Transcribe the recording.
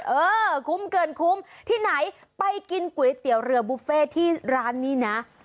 เออคุ้มเกินคุ้มที่ไหนไปกินก๋วยเตี๋ยวเรือบุฟเฟ่ที่ร้านนี้นะ